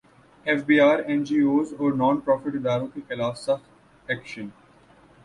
F B رکا N G Os اور non profit اداروں کیخلاف سخت ایکشن